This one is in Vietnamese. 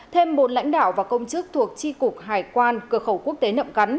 thêm một lãnh đạo và công chức thuộc tri cục hải quan cửa khẩu quốc tế nậm cắn